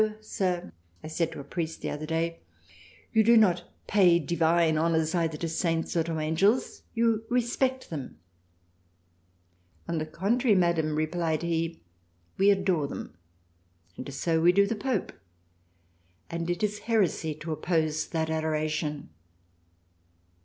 Sir. said I to a Priest the other day you do not pay divine Honours either to Saints or to Angels ; you respect them. On the contrary Madam replied he, we adore them ; and so we do the Pope ; and it is heresy to oppose that Adoration.